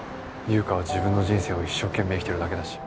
優香は自分の人生を一生懸命生きてるだけだし。